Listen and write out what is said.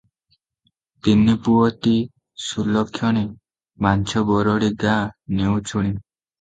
ତିନିପୁଅ ତୀ ସୁଲକ୍ଷଣୀ ବାଞ୍ଝବରଡ଼ୀ ଗାଁ ନିଉଛୁଣୀ ।